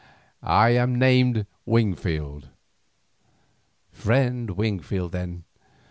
"I am named Wingfield." "Friend Wingfield then.